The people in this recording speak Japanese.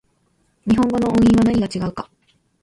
日本語の音韻は何が違うか